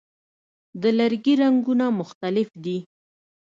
د لرګي رنګونه مختلف دي.